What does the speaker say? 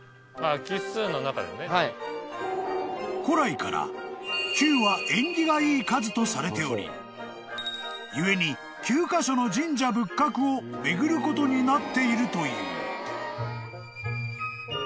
［古来から９は縁起がいい数とされており故に９カ所の神社仏閣を巡ることになっているという］